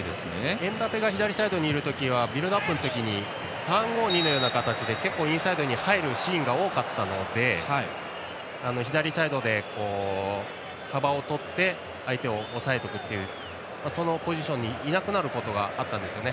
エムバペが左のときはビルドアップの時に３−５−２の形で結構、インサイドに入るシーンが多かったので左サイドで幅を取って相手を抑えていくというそのポジションにいなくなることがあったんですね。